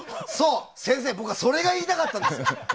先生、僕はそれが言いたかったんです。